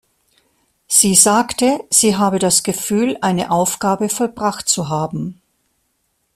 Sie sagte, sie habe das Gefühl, eine Aufgabe vollbracht zu haben.